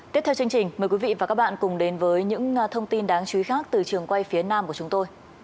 tiếp theo chương trình mời quý vị và các bạn cùng đến với những thông tin đáng chú ý khác từ trường quay phía nam của chúng tôi